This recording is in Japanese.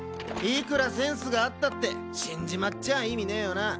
いくらセンスがあったって死んじまっちゃあ意味ねぇよなァ。